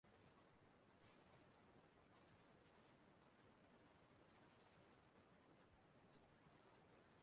Ya bụ nwa amadi ajọ ọnọdụ ahụ tàrà isi ya